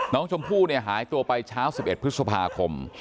น้องชมพู่หายตัวไปเช้า๑๑พฤษภาคม